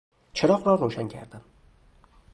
چراغ را روشن کردم.